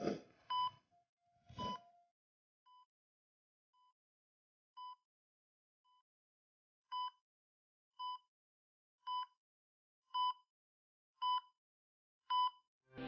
kita langsung ke rumah sakit